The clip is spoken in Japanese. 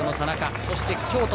そして京都。